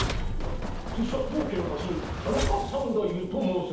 拙者当家の家臣田中三太夫と申す者」。